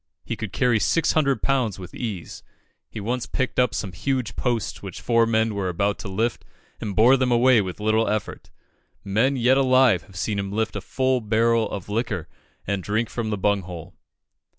He could carry six hundred pounds with ease; he once picked up some huge posts which four men were about to lift, and bore them away with little effort. Men yet alive have seen him lift a full barrel of liquor and drink from the bung hole.